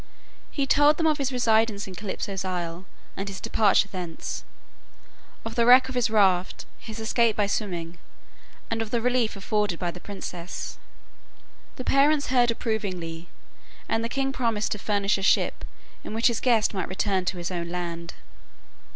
He told them of his residence in Calypso's isle and his departure thence; of the wreck of his raft, his escape by swimming, and of the relief afforded by the princess. The parents heard approvingly, and the king promised to furnish a ship in which his guest might return to his own land.